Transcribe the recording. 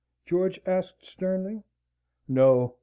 George asked sternly. No.